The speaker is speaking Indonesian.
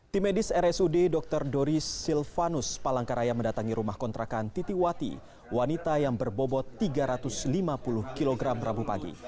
tim medis rsud dr doris silvanus palangkaraya mendatangi rumah kontrakan titi wati wanita yang berbobot tiga ratus lima puluh kg rabu pagi